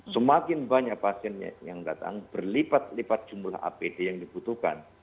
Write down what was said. semakin banyak pasien yang datang berlipat lipat jumlah apd yang dibutuhkan